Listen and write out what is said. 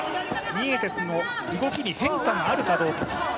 ニエテスの動きに変化があるかどうか。